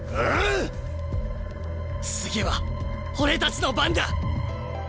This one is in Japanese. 次は俺たちの番だ！